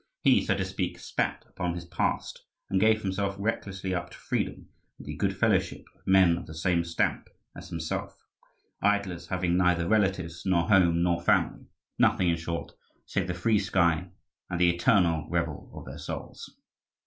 He, so to speak, spat upon his past and gave himself recklessly up to freedom and the good fellowship of men of the same stamp as himself idlers having neither relatives nor home nor family, nothing, in short, save the free sky and the eternal revel of their souls.